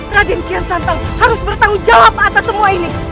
raden kian santang harus bertanggung jawab atas semua ini